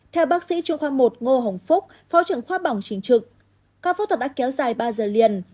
theo bác sĩ trung khoa một ngô hồng phúc phó trưởng khoa bỏng chính trực các phẫu thuật đã kéo dài ba giờ liền